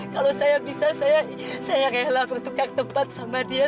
kalau saya bisa saya rela bertukar tempat sama dia